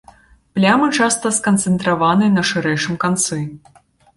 Плямы часта сканцэнтраваны на шырэйшым канцы.